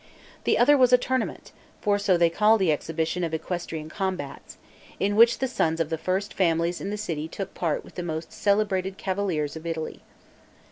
The other was a tournament (for so they call the exhibition of equestrian combats), in which the sons of the first families in the city took part with the most celebrated cavaliers of Italy.